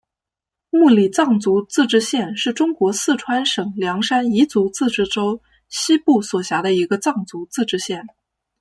木里藏族自治县是中国四川省凉山彝族自治州西部所辖的一个藏族自治县。